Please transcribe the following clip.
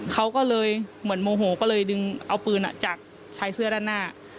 เขาก็เลยเหมือนโมโหก็เลยดึงเอาปืนจากชายเสื้อด้านหน้า